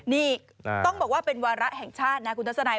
นี่ต้องบอกว่าเป็นวาระแห่งชาตินะคุณทัศนัย